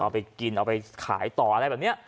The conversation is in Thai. เอาไปกินเอาไปขายต่ออะไรแบบนี้